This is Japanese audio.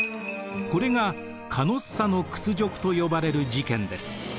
これがカノッサの屈辱と呼ばれる事件です。